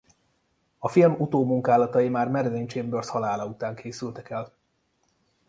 A film utómunkálatai már Marilyn Chambers halála után készültek el.